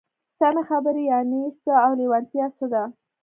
سمې خبرې يانې څه او لېوالتيا څه ده؟